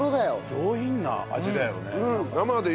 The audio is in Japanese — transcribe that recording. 上品な味だよねなんか。